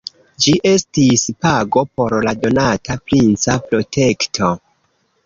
Ĝi estis pago por la donata princa protekto.